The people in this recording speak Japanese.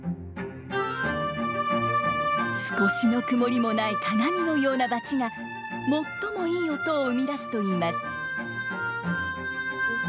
少しの曇りもない鏡のようなバチが最もいい音を生み出すといいます。